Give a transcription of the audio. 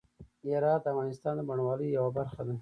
هرات د افغانستان د بڼوالۍ یوه برخه ده.